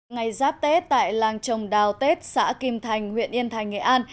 ngày giáp tết tại làng trồng đào tết xã kim thành huyện yên thành nghệ an